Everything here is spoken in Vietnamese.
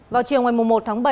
vào chiều một một tháng bảy